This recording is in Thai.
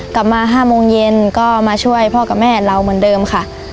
กลับมา๕โมงเย็นก็มาช่วยพ่อกับแม่เราเหมือนเดิมค่ะ